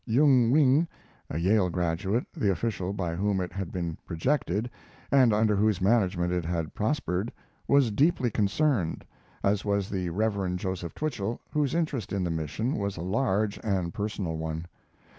Yung Wing (a Yale graduate), the official by whom it had been projected and under whose management it had prospered, was deeply concerned, as was the Rev. Joseph Twichell, whose interest in the mission was a large and personal one.